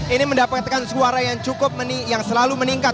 ini mendapatkan suara yang cukup yang selalu meningkat